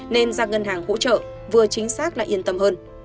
nên ra ngân hàng hỗ trợ vừa chính xác lại yên tâm hơn